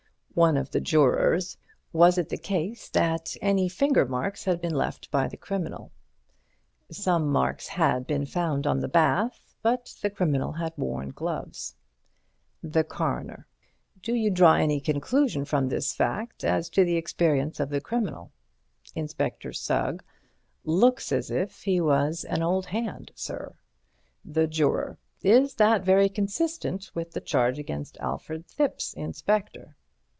One of the jurors: Was it the case that any finger marks had been left by the criminal? Some marks had been found on the bath, but the criminal had worn gloves. The Coroner: Do you draw any conclusion from this fact as to the experience of the criminal? Inspector Sugg: Looks as if he was an old hand, sir. The Juror: Is that very consistent with the charge against Alfred Thipps, Inspector?